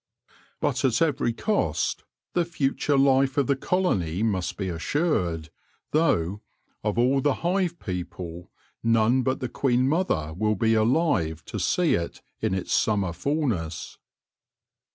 But at every cost the future life of the colony must be assured, though, of all the hive people, none but the queen mother will be alive to see it in its summer fullness.